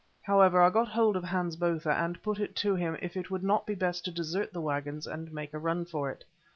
However, I got hold of Hans Botha and put it to him if it would not be best to desert the waggons and make a run for it.